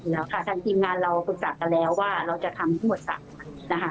แล้วค่ะทางทีมงานเราปรึกษากันแล้วว่าเราจะทำทั้งหมด๓นะคะ